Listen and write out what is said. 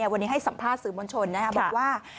วันนี้ให้สัมภาษณ์สื่อมวลชนบอกว่า